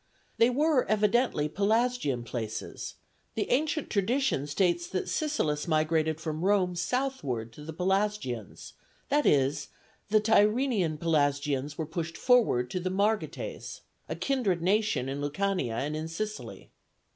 They were evidently Pelasgian places: the ancient tradition states that Sicelus migrated from Rome southward to the Pelasgians, that is, the Tyrrhenian Pelasgians were pushed forward to the Morgetes, a kindred nation in Lucania and in Sicily.